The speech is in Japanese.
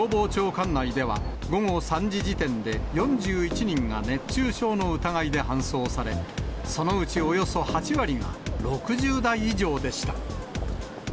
管内では、午後３時時点で４１人が熱中症の疑いで搬送され、そのうちおよそ８割が６０代以上でした。